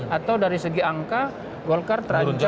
atau dari segi angka golkar terancam